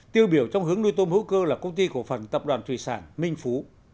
tiêu biểu trong hướng nuôi tôm hữu cơ là công ty cổ phần tập đoàn thủy sản minh phú